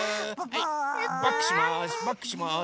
はいバックします